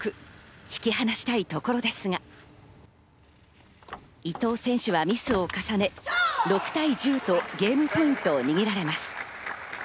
引き離したいところですが、伊藤選手はミスを重ね、６対１０とゲームポイントを握られます。